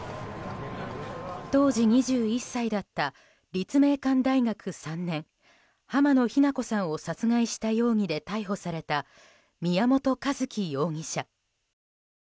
当時２１歳だった立命館大学３年浜野日菜子さんを殺害した容疑で逮捕された宮本一希容疑者。